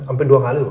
sampai dua kali loh